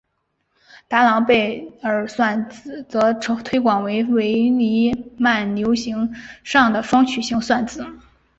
达朗贝尔算子则推广为伪黎曼流形上的双曲型算子。